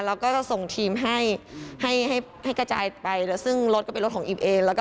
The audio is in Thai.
เราก็จะส่งทีมให้ให้กระจายไปแล้วซึ่งรถก็เป็นรถของอิมเอง